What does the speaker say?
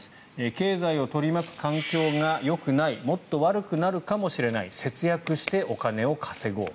経済を取り巻く環境がよくないもっと悪くなるかもしれない節約してお金を稼ごう。